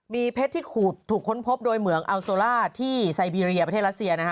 มีเพชรที่ขูดถูกค้นพบโดยเหมืองอัลโซล่าที่ไซบีเรียประเทศรัสเซียนะฮะ